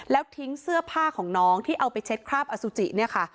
แล้วทิ้งเสื้อผ้าของน้องที่เอาไปเช็ดคราบอสุจิเนี่ยค่ะ